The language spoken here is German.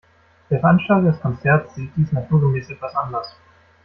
Der Veranstalter des Konzerts sieht dies naturgemäß etwas anders.